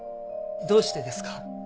どうしてですか？